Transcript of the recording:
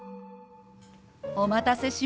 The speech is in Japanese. お待たせしました。